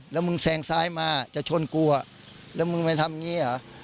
แล้วมึงแซงซ้ายมาจะชนกูอ่ะแล้วมึงไปทำอย่างนี้เหรอ